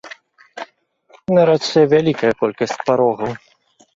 На рацэ вялікая колькасць парогаў.